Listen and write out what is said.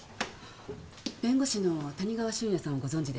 弁護士の谷川俊也さんをご存じですか？